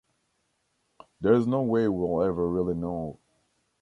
There's no way we'll ever really know.